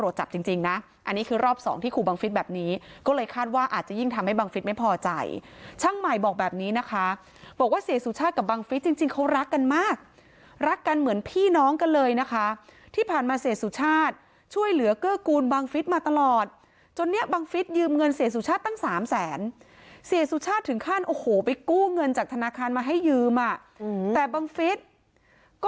เศรษฐ์สุชาติไม่พอใจช่างใหม่บอกแบบนี้นะคะบอกว่าเศรษฐ์สุชาติกับบังฟิศจริงเขารักกันมากรักกันเหมือนพี่น้องกันเลยนะคะที่ผ่านมาเศรษฐ์สุชาติช่วยเหลือเกอร์กูลบังฟิศมาตลอดจนนี้บังฟิศยืมเงินเศรษฐ์สุชาติตั้ง๓แสนเศรษฐ์สุชาติถึงขั้นโอ้โหไปกู้เงินจาก